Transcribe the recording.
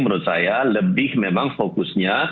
menurut saya lebih memang fokusnya